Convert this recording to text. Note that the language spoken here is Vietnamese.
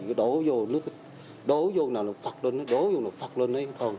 cứ đổ vô đổ vô là nó phật lên đổ vô là nó phật lên